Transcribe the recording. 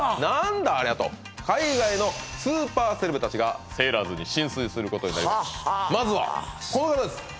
何だありゃと海外のスーパーセレブたちがセーラーズに心酔することになります